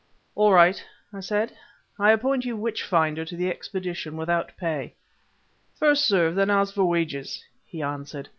"All right," I said: "I appoint you witch finder to the expedition without pay." "First serve, then ask for wages," he answered.